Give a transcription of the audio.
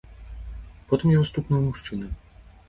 Потым яго стукнуў і мужчына.